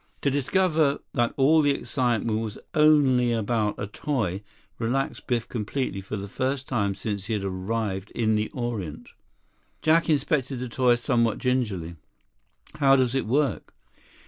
To discover that all the excitement was only about a toy relaxed Biff completely for the first time since he had arrived in the Orient. Jack inspected the toy somewhat gingerly. "How does it work?"